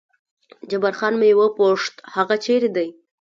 جبار خان مې وپوښت هغه چېرې دی؟